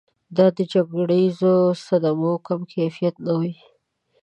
دا د جګړیزو صدمو کم کیفیت نه وي.